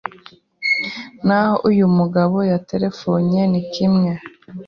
n’aho uyu mugabo yaterefonnye ni kimwe